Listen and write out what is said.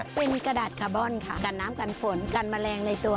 เป็นกระดาษคาร์บอนค่ะกันน้ำกันฝนกันแมลงในตัว